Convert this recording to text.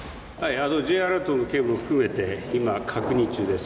Ｊアラートの件も含めて確認中です。